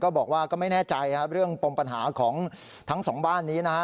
บอกว่าก็ไม่แน่ใจเรื่องปมปัญหาของทั้งสองบ้านนี้นะฮะ